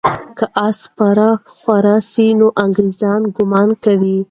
که آس سپاره خواره سي، نو انګریزان ګمان کوي.